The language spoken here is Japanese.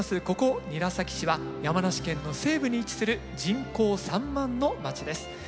ここ韮崎市は山梨県の西部に位置する人口３万の町です。